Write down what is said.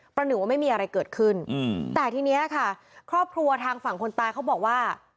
หนึ่งว่าไม่มีอะไรเกิดขึ้นแต่ทีนี้ค่ะครอบครัวทางฝั่งคนตายเขาบอกว่า